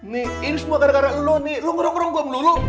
nih ini semua gara gara lo nih lo ngerong ngerong buang dulu